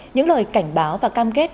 những lời cảnh báo và cam kết